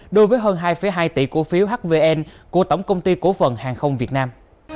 đối với hơn hai hai tỷ cổ phiếu hvn của tổng công ty cổ phần hàng không việt nam